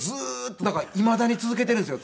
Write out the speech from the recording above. だからいまだに続けているんですよ